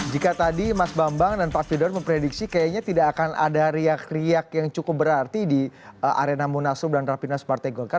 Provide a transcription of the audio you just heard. jika tadi mas bambang dan pak firdaus memprediksi kayaknya tidak akan ada riak riak yang cukup berarti di arena munaslup dan rapina smart tagle car